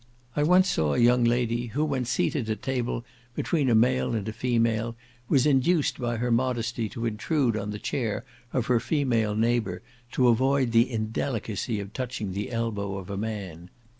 I once saw a young lady, who, when seated at table between a male and a female, was induced by her modesty to intrude on the chair of her female neighbour to avoid the indelicacy of touching the elbow of a man.